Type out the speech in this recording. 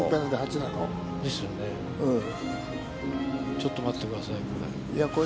ちょっと待ってください、これ。